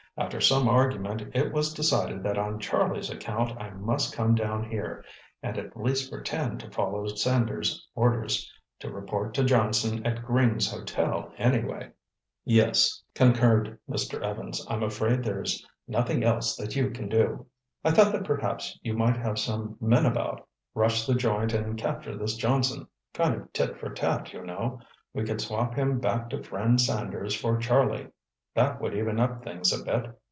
After some argument, it was decided that on Charlie's account, I must come down here, and at least pretend to follow Sanders' orders—to report to Johnson at Gring's Hotel, anyway." "Yes," concurred Mr. Evans, "I'm afraid there's nothing else that you can do." "I thought that perhaps you might have some men about, rush the joint and capture this Johnson. Kind of tit for tat, you know. We could swap him back to friend Sanders for Charlie. That would even up things a bit.